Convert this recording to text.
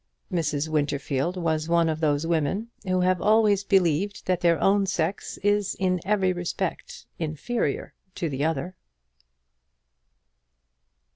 Mrs. Winterfield was one of those women who have always believed that their own sex is in every respect inferior to the other.